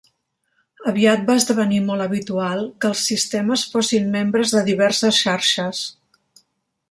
Aviat va esdevenir molt habitual que els sistemes fossin membres de diverses xarxes.